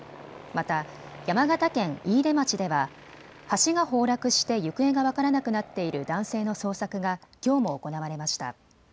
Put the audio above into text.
また山形県飯豊町では橋が崩落して行方が分からなくなっている男性の捜索がきょうも行われました。